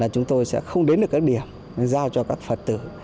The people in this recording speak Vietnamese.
chúng ta không đến được các điểm giao cho các phật tử